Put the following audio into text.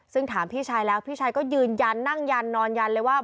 ซึ่งถามพี่ชายแล้วพี่ชายก็ยืนยันนั่งยันนอนยันเลยว่า